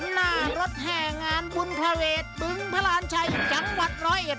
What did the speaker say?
หน้ารถแห่งานบุญพระเวทบึงพระราณชัยจังหวัดร้อยเอ็ด